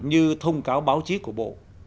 như thông cáo báo chí của bộ